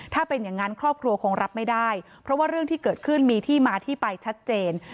ถ้าเป็นอย่างนั้นครอบครัวคงรับไม่ได้เพราะว่าเรื่องที่เกิดขึ้นมีที่มาที่ไปชัดเจน